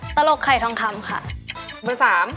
ตลกขายทองคำ